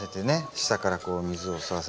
下からこう水を吸わせて。